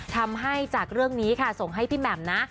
ทำให้จากเรื่องนี้ค่ะส่งให้พี่แหม่มนะ